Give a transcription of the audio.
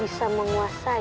ini mah aneh